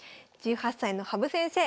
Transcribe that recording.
１８歳の羽生先生